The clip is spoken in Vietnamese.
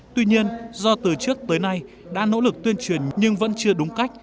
tuy nhiên do từ trước tới nay đã nỗ lực tuyên truyền nhưng vẫn chưa đúng cách